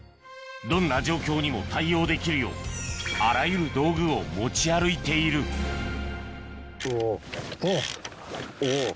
どんな状況にも対応できるようあらゆる道具を持ち歩いているおっおっ。